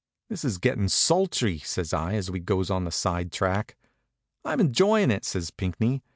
"This is gettin' sultry," says I as we goes on the side track. "I am enjoying it," says Pinckney.